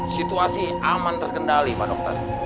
situasi aman terkendali pak dokter